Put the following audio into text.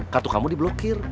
kartu kamu diblokir